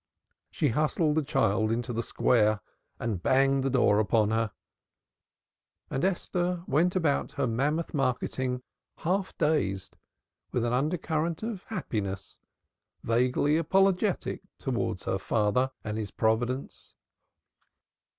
She hustled the child into the Square and banged the door upon her, and Esther went about her mammoth marketing half dazed, with an undercurrent of happiness, vaguely apologetic towards her father and his Providence.